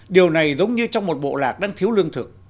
điều này giống như trong một bộ lạc đang thiếu lương thực